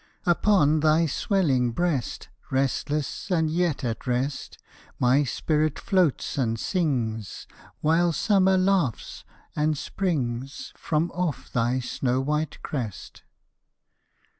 Upon thy swelling breast Restless and yet at rest, My spirit floats and sings, While Summer laughs and springs From off thy snow white crest.